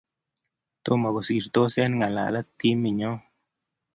tomo kosirtos eng' kalang'et ni timit nyo